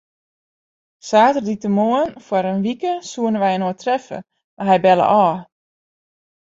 Saterdeitemoarn foar in wike soene wy inoar treffe, mar hy belle ôf.